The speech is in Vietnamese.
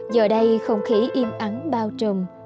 giờ đây không khí im ắn bao trùm